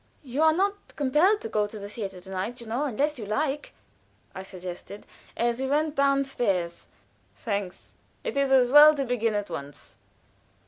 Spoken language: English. "You are not compelled to go to the theater to night, you know, unless you like," I suggested, as we went down stairs. "Thanks, it is as well to begin at once."